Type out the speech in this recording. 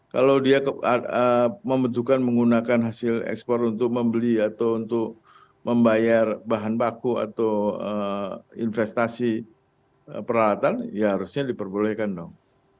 kalau dia membutuhkan menggunakan hasil ekspor untuk membeli atau untuk membayar bahan baku atau investasi peralatan ya harusnya diperbolehkan dong